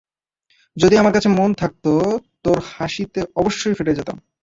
যদি আমার কাছে মন থাকতো, তোর হাসি তে অবশ্যই ফেঁসে যেতাম।